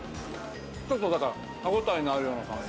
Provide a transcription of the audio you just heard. ちょっとなんか歯応えのあるような感じ。